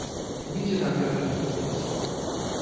Недзе так і атрымліваецца.